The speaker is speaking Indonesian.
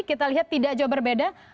kita lihat tidak jauh berbeda